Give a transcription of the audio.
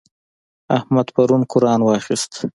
احمد پرون قرآن واخيست.